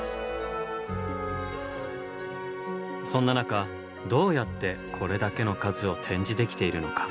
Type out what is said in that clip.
そんな中どうやってこれだけの数を展示できているのか。